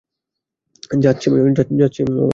যাচ্ছি আমি মামা।